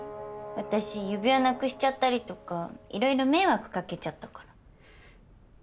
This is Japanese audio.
私指輪なくしちゃったりとか色々迷惑かけちゃったから。